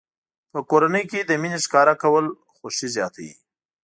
په کورنۍ کې د مینې ښکاره کول خوښي زیاتوي.